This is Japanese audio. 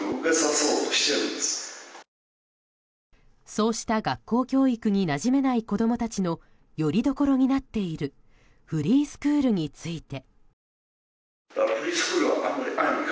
そうした学校教育になじめない子供たちのよりどころになっているフリースクールについて。